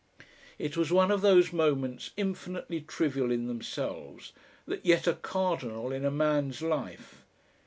It was one of those moments infinitely trivial in themselves, that yet are cardinal in a man's life.